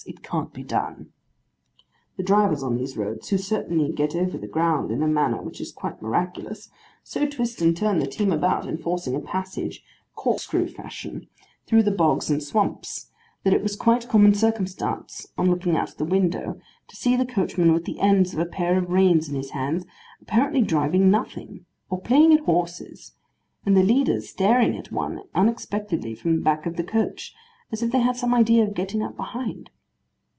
It can't be done.' The drivers on these roads, who certainly get over the ground in a manner which is quite miraculous, so twist and turn the team about in forcing a passage, corkscrew fashion, through the bogs and swamps, that it was quite a common circumstance on looking out of the window, to see the coachman with the ends of a pair of reins in his hands, apparently driving nothing, or playing at horses, and the leaders staring at one unexpectedly from the back of the coach, as if they had some idea of getting up behind.